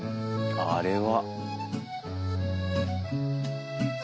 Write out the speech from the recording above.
あれは。